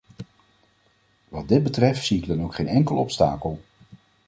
Wat dit betreft zie ik dan ook geen enkel obstakel.